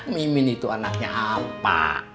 mimin itu anaknya apa